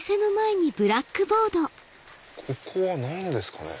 ここは何ですかね？